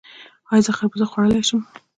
ایا زه خربوزه خوړلی شم؟